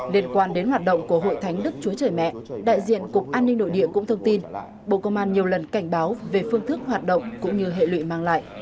liên quan đến hoạt động của hội thánh đức chúa trời mẹ đại diện cục an ninh nội địa cũng thông tin bộ công an nhiều lần cảnh báo về phương thức hoạt động cũng như hệ lụy mang lại